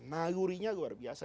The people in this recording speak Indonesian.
nalurinya luar biasa